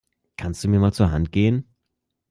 Kannst du mir mal zur Hand gehen?